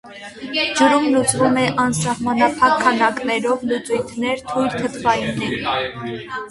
Ջրում լուծվում է անսահմանափակ քանակներով, լուծույթները թույլ թթվային են։